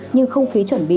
nhưng không khí chuẩn bị